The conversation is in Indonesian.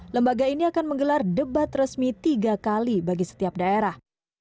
lembaga ini akan menggelar debat resmi tiga kali bagi setiap daerah